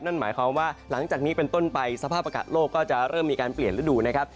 นั่นหมายความว่าหลังจากนี้เป็นต้นไปสภาพอากาศโลกก็จะเริ่มมีการเปลี่ยนฤดูนะครับ